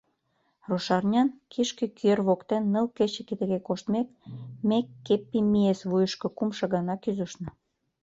Рушарнян, Кишке кӱэр воктен ныл кече тыге коштмек, ме Кеппимиэс вуйышко кумшо гана кӱзышна.